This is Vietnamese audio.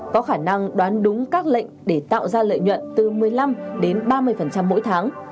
có khả năng đoán đúng các lệnh để tạo ra lợi nhuận từ một mươi năm đến ba mươi mỗi tháng